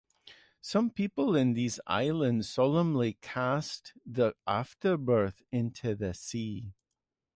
Some people in these islands solemnly cast the afterbirth into the sea.